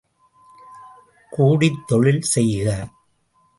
கூடித் தொழில் செய்க!